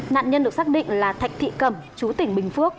nạn nhân được xác định là thạch thị cẩm chú tỉnh bình phước